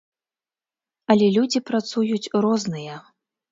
Але людзі працуюць розныя.